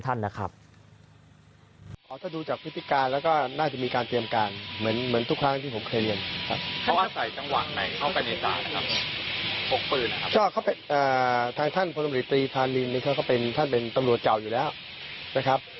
อาจไปฟังเสียงท่านนะครับ